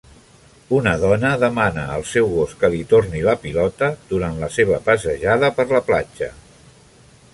Una dona demana al seu gos que li torni la pilota durant la seva passejada per la platja.